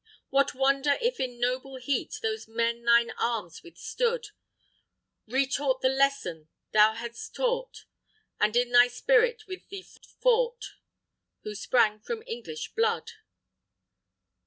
_ _What wonder if in noble heat, Those men thine arms withstood, Retaught the lesson thou hadst taught, And in thy spirit with thee fought fought Who sprang from English blood!